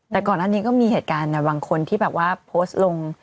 แต่ก่อนอันนี้ก็มีเหตุการณ์บางคนที่แบบว่าโพสต์ลง